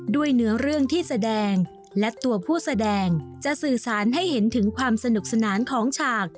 ด้วยเนื้อเรื่องที่แสดงและตัวผู้แสดงจะสื่อสารให้เห็นถึงความสนุกสนานของฉาก